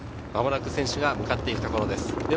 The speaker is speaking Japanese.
間もなく選手が向かっていくところです。